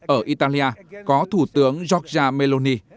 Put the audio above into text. ở italia có thủ tướng giorgia meloni